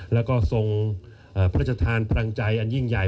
และก็ทรงพระทศาลประหลังใจอันยิ่งใหญ่